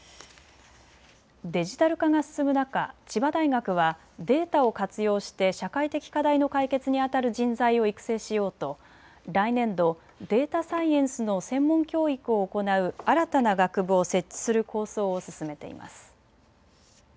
デジタル化が進む中、千葉大学はデータを活用して社会的課題の解決にあたる人材を育成しようと来年度、データサイエンスの専門教育を行う新たな学部を設置する構想を進めています。